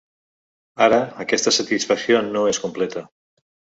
Ara, aquesta satisfacció no és completa.